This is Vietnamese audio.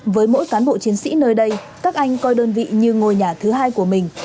với mỗi cán bộ chiến sĩ nơi đây các anh coi đơn vị như ngôi nhà thứ hai của mình